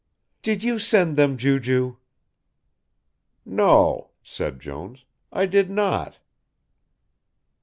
"Did you send them, Ju ju?" "No," said Jones. "I did not."